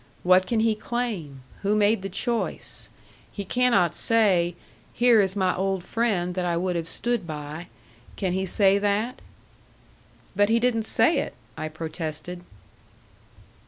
What can he claim? Who made the choice? He cannot say, 'Here is my old friend that I would have stood by.' Can he say that?" "But he didn't say it," I protested.